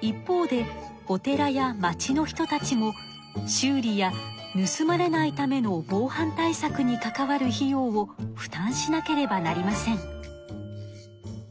一方でお寺や町の人たちも修理やぬすまれないための防犯対策に関わる費用を負担しなければなりません。